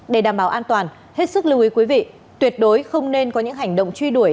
để đảm bảo an toàn hết sức lưu ý quý vị tuyệt đối không nên có những hành động truy đuổi